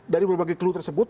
dari berbagai clue tersebut